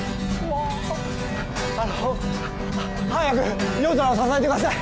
早く夜空を支えてください！